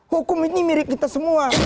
hukum ini milik kita semua